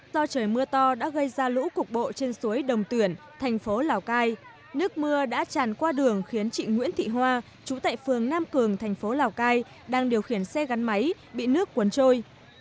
do trời mưa to đã gây ra lũ cục bộ trên suối đồng tuyển thành phố lào cai nước mưa đã tràn qua đường khiến chị nguyễn thị hoa chú tại phường nam cường thành phố lào cai đang điều khiển xe gắn máy bị nước cuốn trôi